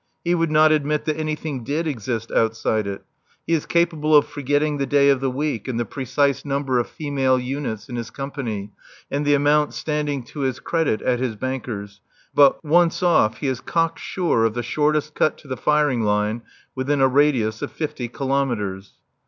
He would not admit that anything did exist outside it. He is capable of forgetting the day of the week and the precise number of female units in his company and the amount standing to his credit at his banker's, but, once off, he is cock sure of the shortest cut to the firing line within a radius of fifty kilometres.